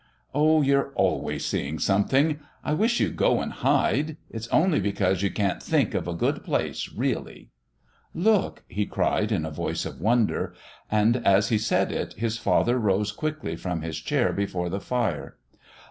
"Oh, you're always seeing something. I wish you'd go and hide. It's only because you can't think of a good place, really." "Look!" he cried in a voice of wonder. And as he said it his father rose quickly from his chair before the fire.